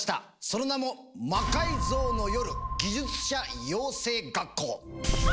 その名も「魔改造の夜技術者養成学校」！